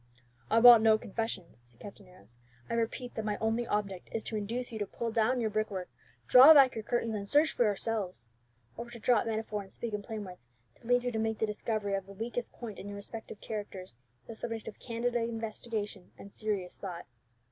'" "I want no confessions," said Captain Arrows. "I repeat that my only object is to induce you to pull down your brickwork, draw back your curtains, and search for yourselves; or, to drop metaphor and speak in plain words, to lead you to make the discovery of the weakest point in your respective characters the subject of candid investigation and serious thought."